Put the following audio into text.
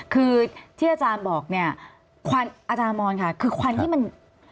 คือที่อาจารย์บอกอาจารย์มองค่ะคือควันที่มัน